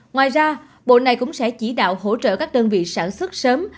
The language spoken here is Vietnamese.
ngoài ra bộ này cũng sẽ chỉ đạo hỗ trợ các đơn vị sản xuất sớm